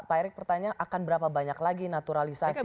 jadi pak erick pertanyaan akan berapa banyak lagi naturalisasi